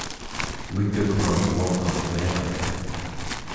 Liga club Waldhof Mannheim.